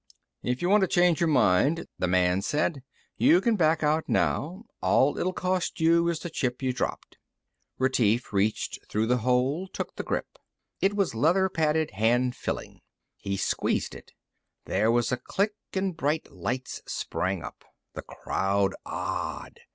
"If you want to change your mind," the man said, "you can back out now. All it'll cost you is the chip you dropped." Retief reached through the hole, took the grip. It was leather padded hand filling. He squeezed it. There was a click and bright lights sprang up. The crowd ah! ed.